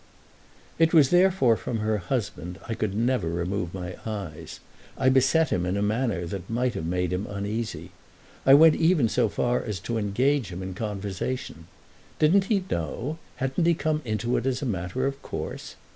IT was therefore from her husband I could never remove my eyes: I beset him in a manner that might have made him uneasy. I went even so far as to engage him in conversation. Didn't he know, hadn't he come into it as a matter of course?